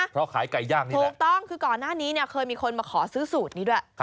เพราะขายไก่ย่างนี้ถูกต้องคือก่อนหน้านี้เนี่ยเคยมีคนมาขอซื้อสูตรนี้ด้วย